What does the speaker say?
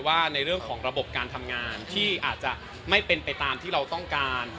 ว่าในเรื่องของระบบการทำงานที่อาจจะไม่เป็นไปตามที่เราต้องการ